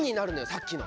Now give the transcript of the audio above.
さっきの。